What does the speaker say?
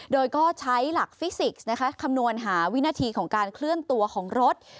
โดยก็ใช้หลักฟิสิกส์คำนวณหาวินาทีของการเคลื่อนตัวของรถ